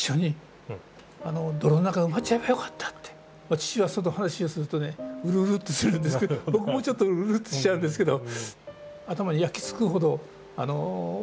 父はその話をするとねうるうるっとするんですけど僕もちょっとうるっとしちゃうんですけど。